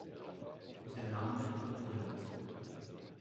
The Lambeth Walk